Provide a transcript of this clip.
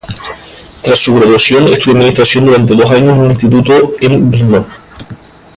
Tras su graduación, estudió administración durante dos años en un instituto en Brno.